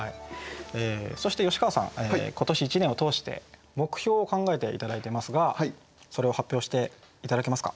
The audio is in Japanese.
そして吉川さん今年１年を通して目標を考えて頂いていますがそれを発表して頂けますか？